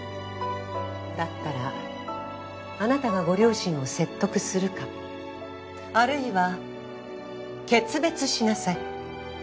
だったらあなたがご両親を説得するかあるいは決別しなさい。